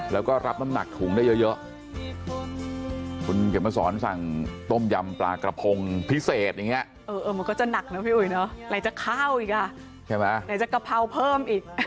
แล้วก็รับน้ำหนักถุงได้เยอะคุณเข็มมาสอนสั่งต้มยำปลากระพงพิเศษมันก็จะหนักนะพี่อุ๋ยไหล่จะข้าวอีกไหล่จะกะเพราเพิ่มอีก